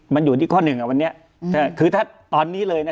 มันอยู่ที่ข้อหนึ่งวันนี้คือถ้าตอนนี้เลยนะ